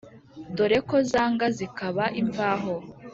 Dore ko zanga zikaba imvaho.